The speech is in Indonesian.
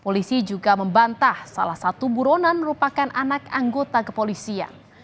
polisi juga membantah salah satu buronan merupakan anak anggota kepolisian